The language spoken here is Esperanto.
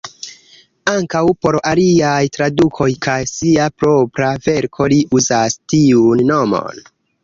Ankaŭ por aliaj tradukoj kaj sia propra verko li uzas tiun nomon.